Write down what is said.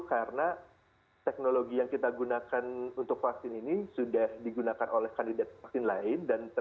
karena teknologi yang kita gunakan untuk vaksin ini sudah digunakan oleh kandidat vaksin lain